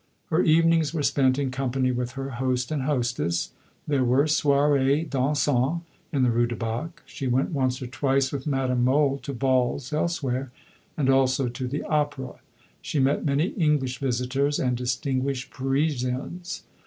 Her evenings were spent in company with her host and hostess. There were soirées dansantes in the Rue du Bac. She went once or twice with Madame Mohl to balls elsewhere, and also to the opera. She met many English visitors and distinguished Parisians.